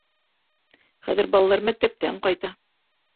Хәҙер балалар мәктәптән ҡайта.